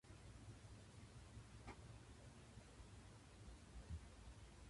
足音のひびくさま。転じて、得難い来客。また、得難い人物に遭遇するたとえ。